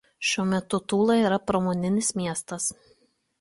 Šiuo metu Tula yra pramoninis miestas.